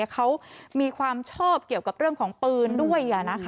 เขามีความชอบเกี่ยวกับเรื่องของปืนด้วย